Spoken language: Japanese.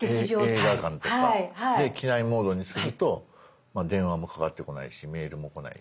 映画館とかで機内モードにすると電話もかかってこないしメールもこないし。